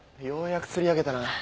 ようやく釣り上げたな。